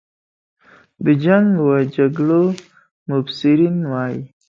د جنګ و جګړو مبصرین وایي.